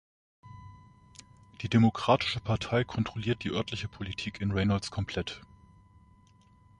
Die Democratische Partei kontrolliert die örtliche Politik in Reynolds komplett.